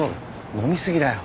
飲みすぎだよ